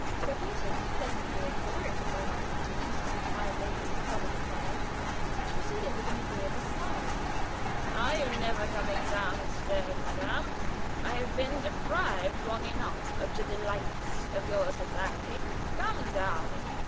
Sir Peter, pleasantly exhilarated by my confusion and my lady's sullen silence, proceeded with an agreeable smile: "Are you never coming down stairs, madame? I have been deprived long enough of the delights of your society. Come down!